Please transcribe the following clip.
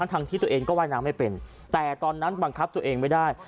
ทั้งที่ตัวเองก็ว่ายน้ำไม่เป็นแต่ตอนนั้นบังคับตัวเองไม่ได้